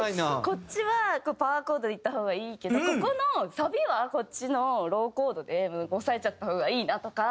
こっちはパワーコードいった方がいいけどここのサビはこっちのローコードで押さえちゃった方がいいなとか。